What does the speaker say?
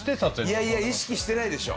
いやいや意識してないでしょ。